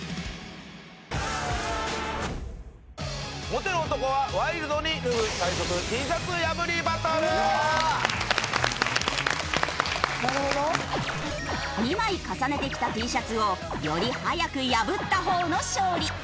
モテる男はワイルドに脱ぐ２枚重ねて着たＴシャツをより速く破った方の勝利。